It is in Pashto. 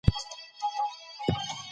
تاریخي کور پخوانی وو د نسلونو